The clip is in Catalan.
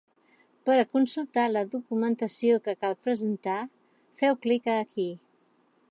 Per a consultar la documentació que cal presentar, feu clic aquí.